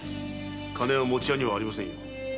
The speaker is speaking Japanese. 金はもち屋にはありませんよ。